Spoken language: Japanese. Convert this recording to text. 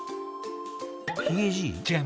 ヒゲじい？